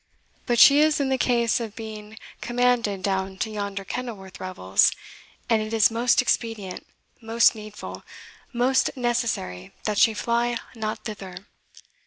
But she is in the case of being commanded down to yonder Kenilworth revels, and it is most expedient most needful most necessary that she fly not thither.